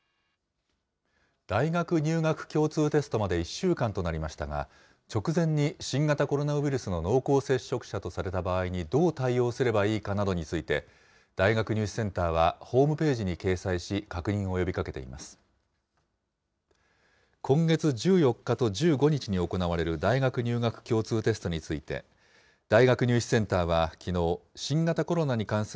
大学入学共通テストまで１週間となりましたが、直前に新型コロナウイルスの濃厚接触者とされた場合にどう対応すればいいかなどについて、大学入試センターはホームページに掲載し、確認を呼びかけています。